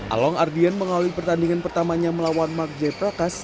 along ardian mengalami pertandingan pertamanya melawan mark j prakas